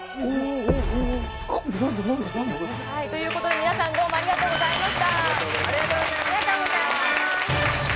おおおお何で何でということでみなさんどうもありがとうございました